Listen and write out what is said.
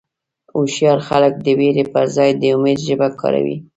هوښیار خلک د وېرې پر ځای د امید ژبه کاروي.